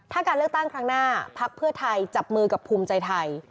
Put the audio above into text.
ถ้าการเลือกตั้งครั้งหน้าพักเพื่อไทยจับมือกับภูมิใจไทย